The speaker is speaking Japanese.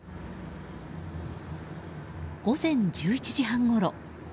午前１１時半ごろ。